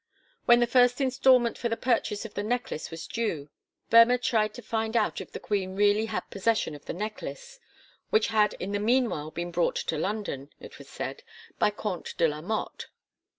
When the first instalment for the purchase of the necklace was due, Boemer tried to find out if the queen really had possession of the necklace which had in the meanwhile been brought to London, it was said, by Comte de la Motte.